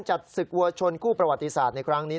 จัดศึกวัวชนคู่ประวัติศาสตร์ในครั้งนี้